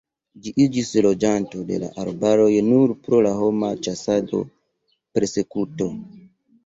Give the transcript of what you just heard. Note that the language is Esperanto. Ĝi iĝis loĝanto de la arbaroj nur pro la homa ĉasado, persekuto.